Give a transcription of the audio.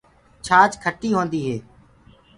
ڇآچ کٽيٚ هوندي هي۔